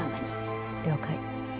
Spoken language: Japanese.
了解。